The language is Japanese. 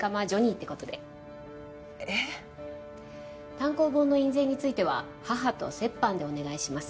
単行本の印税については母と折半でお願いします。